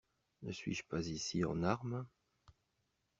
Ne suis-je pas ici en armes?